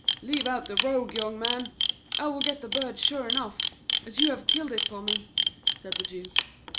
'Leave out the "rogue," young man. I will get the bird sure enough, as you have killed it for me,' said the Jew.